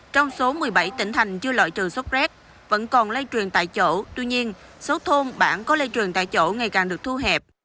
trong số một mươi bảy tỉnh thành chưa loại trừ sốc rét vẫn còn lây truyền tại chỗ tuy nhiên số thôn bản có lây truyền tại chỗ ngày càng được thu hẹp